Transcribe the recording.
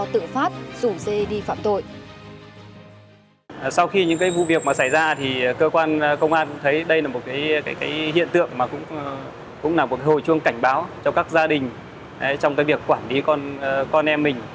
thành thành do tự phát rủ dê đi phạm tội